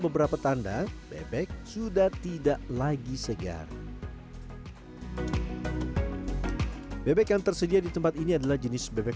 beberapa tanda bebek sudah tidak lagi segar bebek yang tersedia di tempat ini adalah jenis bebek